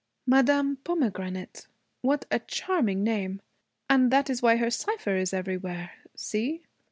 'Madame Pomegranate? What a charming name! And that is why her cipher is everywhere. See?'